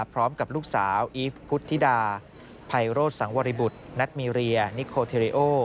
พร้อมกับลูกสาวอีฟพุทธิดาไพโรธสังวริบุตรนัทมีเรียนิโคเทเรโอ